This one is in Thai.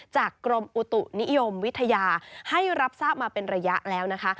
กรมอุตุนิยมวิทยาให้รับทราบมาเป็นระยะแล้วนะคะ